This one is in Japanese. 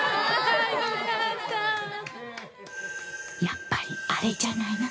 やっぱりあれじゃないの？